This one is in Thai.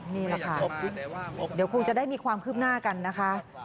นี่แหละค่ะเดี๋ยวคงจะได้มีความคืบหน้ากันนะคะ